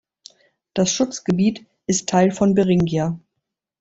Das Schutzgebiet ist Teil von Beringia.